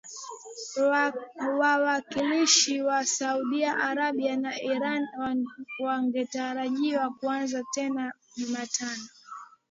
wawakilishi wa Saudi Arabia na Iran ingetarajiwa kuanza tena Jumatano